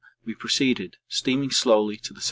we proceeded, steaming slowly to the S.